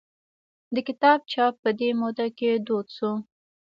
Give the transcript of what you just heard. د کتاب چاپ په دې موده کې دود شو.